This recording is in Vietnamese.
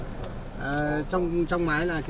nhưng không đ marine nad pháo